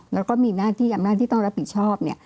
แล้วก็มีหน้าที่ต้องรับผิดชอบ